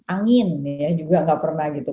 angin juga gak pernah gitu